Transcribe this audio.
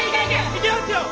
いきますよ！